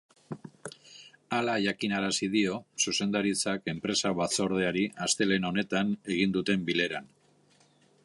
Hala jakinarazi dio zuzendaritzak enpresa-batzordeari astelehen honetan egin duten bileran.